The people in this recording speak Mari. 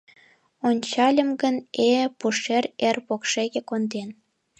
Ончальым гын, э-э, пушем ер покшеке конден.